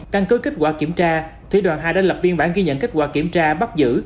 căn cứ kết quả kiểm tra thủy đoàn hai đã lập biên bản ghi nhận kết quả kiểm tra bắt giữ